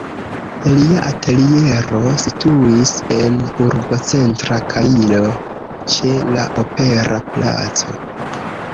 Lia ateliero situis en urbocentra Kairo, ĉe la opera placo.